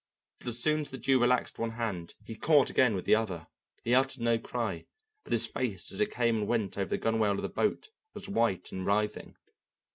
But as soon as the Jew relaxed one hand he caught again with the other. He uttered no cry, but his face as it came and went over the gunwale of the boat was white and writhing.